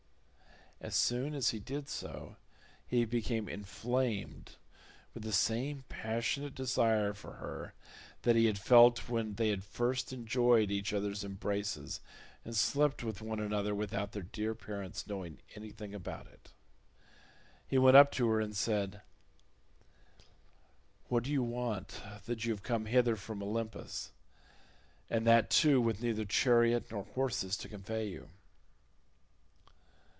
As soon as he did so he became inflamed with the same passionate desire for her that he had felt when they had first enjoyed each other's embraces, and slept with one another without their dear parents knowing anything about it. He went up to her and said, "What do you want that you have come hither from Olympus—and that too with neither chariot nor horses to convey you?"